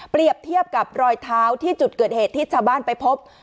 เทียบกับรอยเท้าที่จุดเกิดเหตุที่ชาวบ้านไปพบ